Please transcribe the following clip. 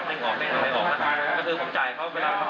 ผมก็เหมือนให้เขาแก้สถานการณ์